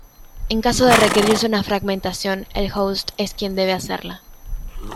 En caso de requerirse una fragmentación; el host, es quien debe hacerla.